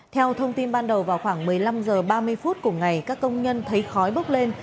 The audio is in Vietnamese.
theo thông tin ban đầu vào khoảng một mươi năm h ba mươi phút cùng ngày các công nhân thấy khói bốc lên